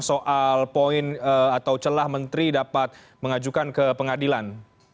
soal poin atau celah menteri dapat mengajukan ke pengadilan